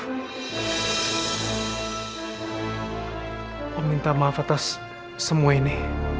aku minta maaf atas semua ini